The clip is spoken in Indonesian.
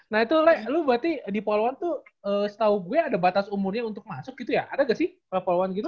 nah itu lu berarti di polwan tuh setahu gue ada batas umurnya untuk masuk gitu ya ada gak sih poluan gitu